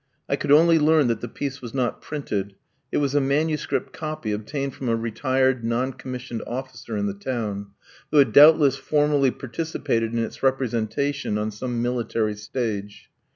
I could only learn that the piece was not printed; it was a manuscript copy obtained from a retired non commissioned officer in the town, who had doubtless formerly participated in its representation on some military stage.